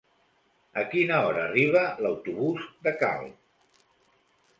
A quina hora arriba l'autobús de Calp?